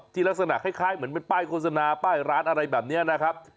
ลักษณะคล้ายเหมือนเป็นป้ายโฆษณาป้ายร้านอะไรแบบนี้นะครับ